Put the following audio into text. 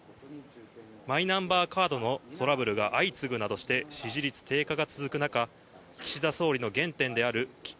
マイナンバーカードのトラブルが相次ぐなどして、支持率低下が続く中、岸田総理の原点である聞く